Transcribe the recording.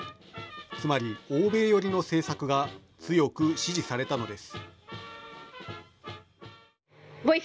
つまり欧米寄りの政策が強く支持されたのです。